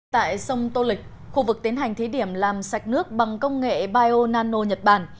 tại sông tô lịch khu vực tiến hành thí điểm làm sạch nước bằng công nghệ bionano nhật bản